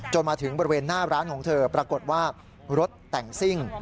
มาถึงบริเวณหน้าร้านของเธอปรากฏว่ารถแต่งซิ่ง